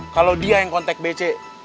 kalau dia yang kontak bc